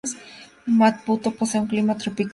Maputo posee un clima tropical seco.